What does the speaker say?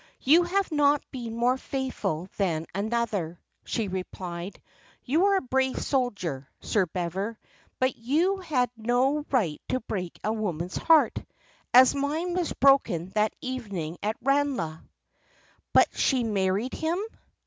"'You have not been more faithful than another,' she replied. 'You are a brave soldier, Sir Bever, but you had no right to break a woman's heart, as mine was broken that evening at Ranelagh.'" "But she married him?"